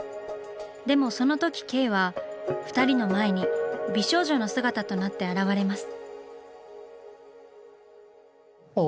でもそのとき慧は二人の前に美少女の姿となって現れます。